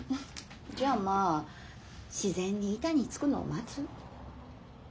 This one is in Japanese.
じゃまあ自然に板につくのを待つ？